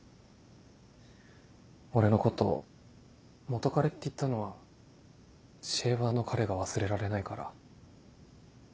俺のこと元カレって言ったのはシェーバーの彼が忘れられないから？